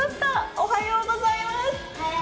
おはようございます。